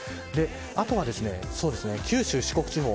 あとは九州、四国地方